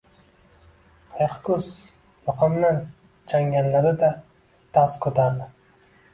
Qiyiqkoʻz yoqamdan changalladi-da, dast koʻtardi: